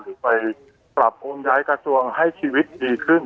หรือไปปรับปรุงย้ายกระทรวงให้ชีวิตดีขึ้น